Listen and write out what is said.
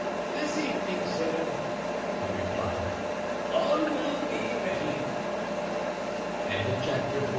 "This evening, sir," he replied, "all will be ready." Chapter XLVI.